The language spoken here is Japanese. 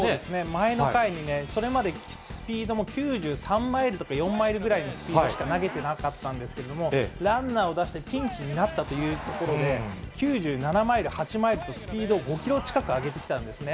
前の回にそれまでスピードも９３マイルとか４マイルぐらいのスピードしか投げてなかったんですけども、ランナーを出して、ピンチになったというところで、９７マイル、８マイルとスピードを５キロ近く上げてきたんですね。